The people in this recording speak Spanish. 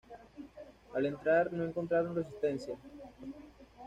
Al entrar no encontraron resistencia.